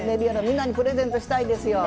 みんなにプレゼントしたいですよ。